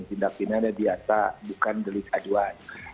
tindak pidana biasa bukan delik aduan